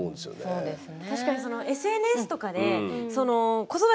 そうですね。